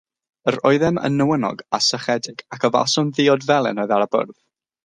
Yr oeddem yn newynog a sychedig, ac yfasom ddiod felen oedd ar y bwrdd.